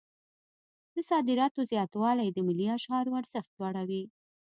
د صادراتو زیاتوالی د ملي اسعارو ارزښت لوړوي.